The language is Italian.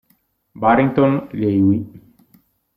Barrington Levy